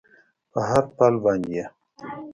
په هر پل باندې یې